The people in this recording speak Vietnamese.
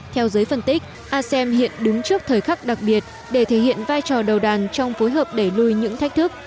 theo giới phân tích asem hiện đứng trước thời khắc đặc biệt để thể hiện vai trò đầu đàn trong phối hợp để lùi những thách thức